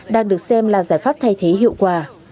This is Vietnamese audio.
đang được xem là giải pháp thay thế hiệu quả